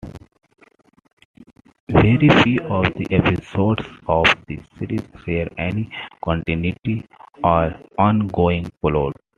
Very few of the episodes of the series share any continuity or ongoing plot.